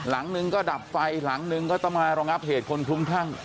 หลังนึงก็ดับไฟหลังนึงก็ต้องมารองับเหตุคนคลุ้มคลั่ง